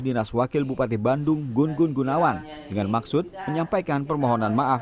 dinas wakil bupati bandung gun gun gunawan dengan maksud menyampaikan permohonan maaf